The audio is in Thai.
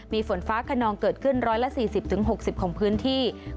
มีฝนฟ้าขนองเกิดขึ้น๑๔๐๖๐ของพื้นที่